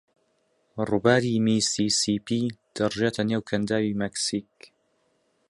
ڕووباری میسیسیپی دەڕژێتە نێو کەنداوی مەکسیک.